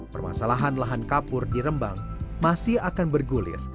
permasalahan lahan kapur di rembang masih akan bergulir